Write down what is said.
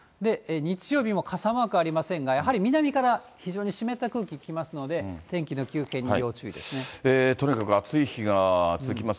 日曜日も傘マークありませんが、やはり南から非常に湿った空気来ますので、とにかく暑い日が続きます。